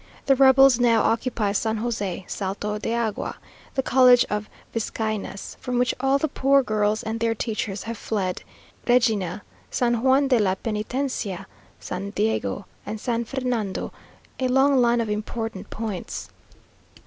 The rebels now occupy San José, Salto de Agua, the college of Vizcaynas (from which all the poor girls and their teachers have fled), Regina, San Juan de la Penitencia, San Diego, and San Fernando a long line of important points.